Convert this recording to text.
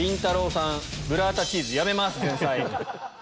さんブラータチーズやめます。